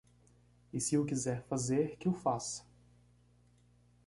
E se o quiser fazer que o faça.